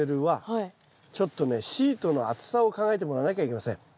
ちょっとねシートの厚さを考えてもらわなきゃいけません。